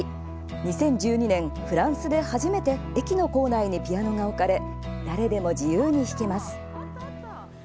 ２０１２年、フランスで初めて駅の構内にピアノが置かれ誰でも自由に弾けます。